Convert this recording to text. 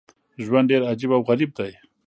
ژوند ډېر عجیب او غریب دی.